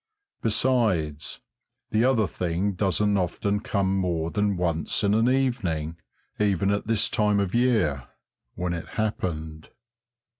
Besides, the other thing doesn't often come more than once in an evening even at this time of year when it happened.